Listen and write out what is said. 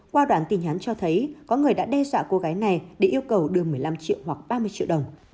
qua đoán tình hán cho thấy có người đã đe dọa cô gái này để yêu cầu đưa một mươi năm triệu hoặc ba mươi triệu đồng